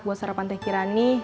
buat serepan teh kiram